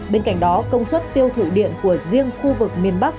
bên cạnh đó công suất tiêu thụ điện của riêng khu vực miền bắc